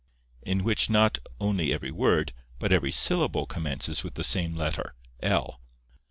in which not only every word, but every syllable commences with the same letter—l.